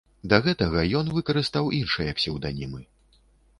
Да гэтага ён выкарыстаў іншыя псеўданімы.